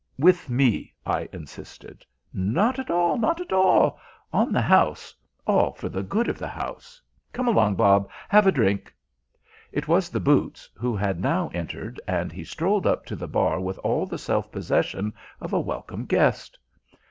"With me," I insisted. "Not at all, not at all. On the house. All for the good of the house. Come along, Bob, have a drink!" It was the boots who had now entered, and he strolled up to the bar with all the self possession of a welcome guest.